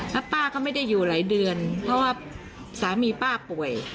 แล้วป้าก็ไม่ได้อยู่หลายเดือนเพราะว่าสามีป้าป่วย